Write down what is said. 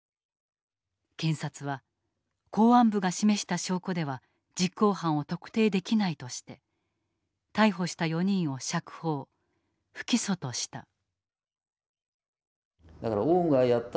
検察は公安部が示した証拠では実行犯を特定できないとして逮捕した４人を釈放不起訴とした。